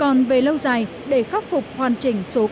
còn về lâu dài để khắc phục hoàn chỉnh số cơ hội